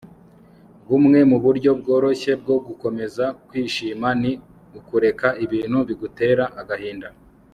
bumwe mu buryo bworoshye bwo gukomeza kwishima ni ukureka ibintu bigutera agahinda